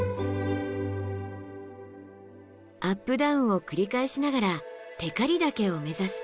アップダウンを繰り返しながら光岳を目指す。